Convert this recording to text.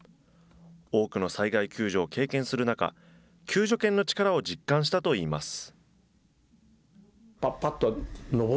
多くの災害救助を経験する中、救助犬の力を実感したといいます。